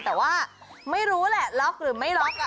แต่ว่าไม่รู้แหละล็อกหรือไม่ล็อก